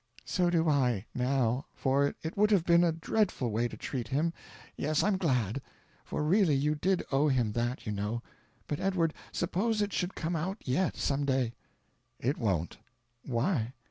"So do I, now, for it would have been a dreadful way to treat him. Yes, I'm glad; for really you did owe him that, you know. But, Edward, suppose it should come out yet, some day!" "It won't." "Why?"